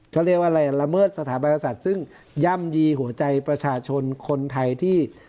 เขาเรียกว่าอะไรละเมิดสถาบันกษัตริย์ซึ่งย่ำยีหัวใจประชาชนคนไทยที่